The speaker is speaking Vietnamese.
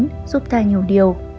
giúp ta nhiều điều